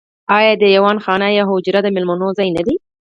آیا دیوان خانه یا حجره د میلمنو ځای نه دی؟